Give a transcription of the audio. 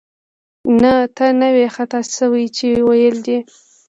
نه، ته نه وې خطا شوې چې ویل دې